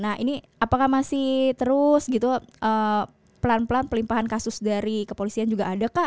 apakah masih terus pelan pelan pelimpahan kasus dari kepolisian juga adakah